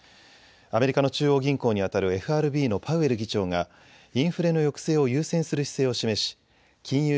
アメリカの中央銀行にあたるＦＲＢのパウエル議長がインフレの抑制を優先する姿勢を示し金融